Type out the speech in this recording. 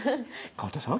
河田さん！